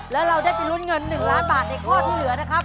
แล้วเราได้ไปลุ้นเงิน๑ล้านบาทในข้อที่เหลือนะครับ